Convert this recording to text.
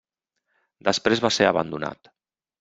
Després va ser abandonat.